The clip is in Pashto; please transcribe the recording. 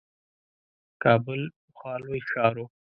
کابل پخوا لوی ښار وو.